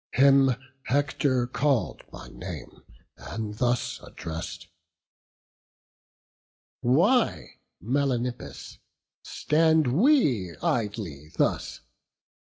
Him Hector call'd by name, and thus address'd: "Why, Melanippus, stand we idly thus?